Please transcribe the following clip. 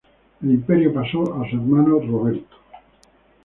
El imperio pasó a su hermano Roberto.